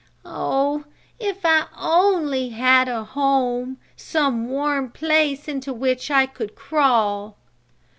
"Oh, if I only had a home some warm place into which I could crawl!"